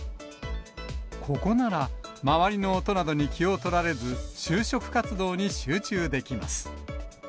ここなら、周りの音などに気を取られず、就職活動に集中できます。